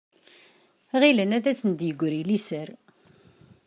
Γilen ad asen-d-yegri liser.